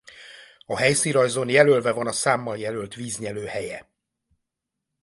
A helyszínrajzon jelölve van a számmal jelölt víznyelő helye.